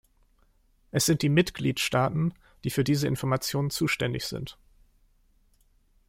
Es sind die Mitgliedstaaten, die für diese Information zuständig sind.